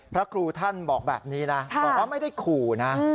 พระครูท่านบอกแบบนี้นะบอกว่าไม่ได้ขู่นะ